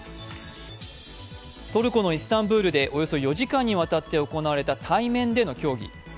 トルコのイスタンブールでおよそ４時間にわたって行われた対面での協議。